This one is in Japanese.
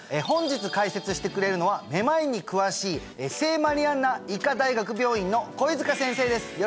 本日解説してくれるのはめまいに詳しい聖マリアンナ医科大学病院の肥塚先生です